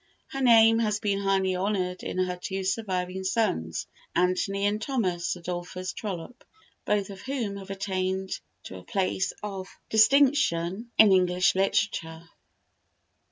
Her name has been highly honoured in her two surviving sons, Anthony and Thomas Adolphus Trollope, both of whom have attained to a place of distinction in English literature.